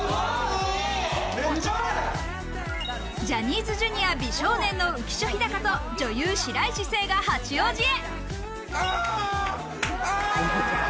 ジャニーズＪｒ．美少年の浮所飛貴と女優・白石聖が八王子へ。